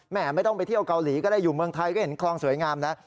ไม่ต้องไปเที่ยวเกาหลีก็ได้อยู่เมืองไทยก็เห็นคลองสวยงามแล้ว